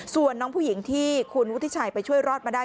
ส่วนน้องผู้หญิงที่คุณวุฒิชัยไปช่วยรอดมาได้